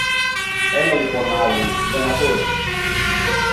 Έλα λοιπόν, Άλη, δεν ακούς;